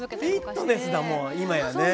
フィットネスだもう今やね。